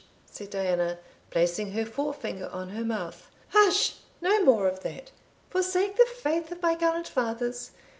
said Diana, placing her fore finger on her mouth, "Hush! no more of that. Forsake the faith of my gallant fathers!